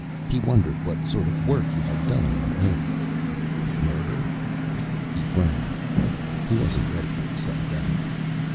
He wondered what sort of work he had done on Earth. Murder? He frowned. He wasn't ready to accept that.